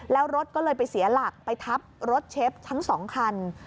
แล้วรถก็เลยไปเสียหลักไปทับรถเชฟทั้ง๒คัน